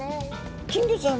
金魚ちゃん